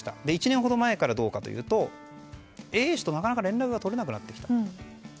１年ほど前からどうかというとＡ氏となかなか連絡が取れなくなってきた。